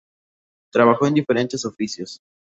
Trabajó en diferentes oficios.